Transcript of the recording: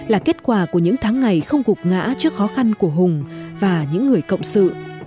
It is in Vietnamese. là kết quả của những tháng ngày không gục ngã trước khó khăn của hùng và những người cộng sự